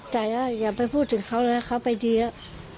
แต่ว่าอย่าไปพูดถึงเขาเลยนะเขาไปดีแล้ว